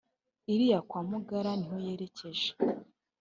Iriya kwa Mugara niho yerekeje